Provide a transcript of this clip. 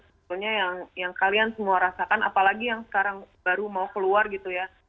sebetulnya yang kalian semua rasakan apalagi yang sekarang baru mau keluar gitu ya